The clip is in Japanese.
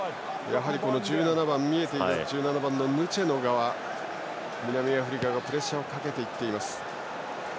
１７番のヌチェの側南アフリカがプレッシャーをかけています。